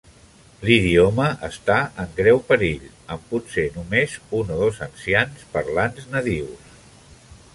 L'idioma està en greu perill, amb potser només un o dos ancians parlants nadius.